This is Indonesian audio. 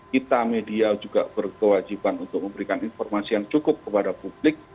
kita media juga berkewajiban untuk memberikan informasi yang cukup kepada publik